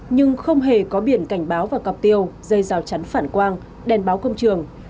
nhưng không hề có biển cảnh báo và cọp tiêu dây rào chắn phản quang đèn báo công trường